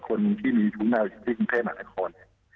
คนที่มีชุมนาวิทยุทธิ์เทพหรือหนังคน